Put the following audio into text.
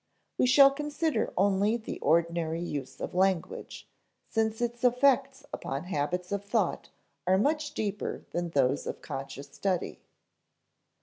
We shall consider only the ordinary use of language, since its effects upon habits of thought are much deeper than those of conscious study.